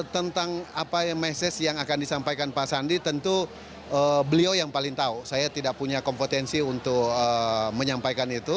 tentang apa message yang akan disampaikan pak sandi tentu beliau yang paling tahu saya tidak punya kompetensi untuk menyampaikan itu